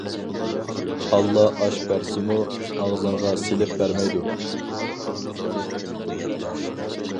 ئاللا ئاش بەرسىمۇ، ئاغزىڭغا سېلىپ بەرمەيدۇ.